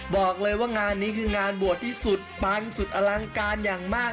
บอกเลยว่างานนี้คืองานบวชที่สุดปังสุดอลังการอย่างมาก